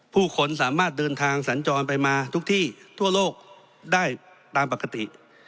ผู้คนสามารถเดินทางสัญจรไปมาทุกที่ทั่วโลกได้ตามปกติ